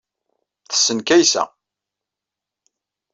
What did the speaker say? Tessen Kaysa.